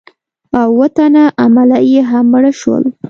او اووه تنه عمله یې هم مړه شول.